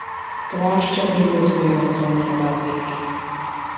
The rash generally goes away on its own in about a week.